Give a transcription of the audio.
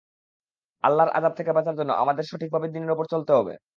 আল্লাহর আজাব থেকে বাঁচার জন্য আমাদের সঠিকভাবে দীনের ওপর চলতে হবে।